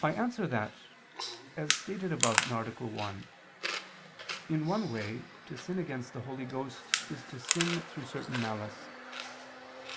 I answer that, As stated above (A. 1), in one way, to sin against the Holy Ghost is to sin through certain malice.